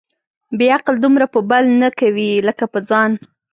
بې عقل دومره په بل نه کوي ، لکه په ځان.